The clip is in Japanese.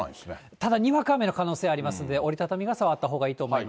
ただ、にわか雨の可能性がありますので、折り畳み傘はあったほうがいいと思います。